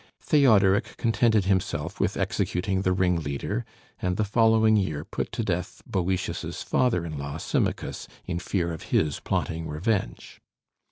Theodoric contented himself with executing the ringleader, and the following year put to death Boëtius's father in law Symmachus in fear of his plotting revenge.